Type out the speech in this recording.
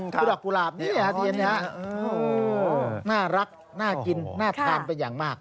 คือดอกกุหลาบนี่แหละน่ารักน่ากินน่าทานเป็นอย่างมาก